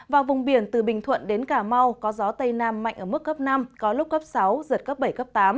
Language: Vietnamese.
và vùng biển từ bình thuận đến cà mau có gió tây nam mạnh ở mức cấp năm có lúc cấp sáu giật cấp bảy cấp tám